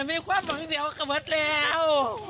แม่มีความมั่งเดียวกับหมดแล้ว